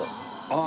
ああ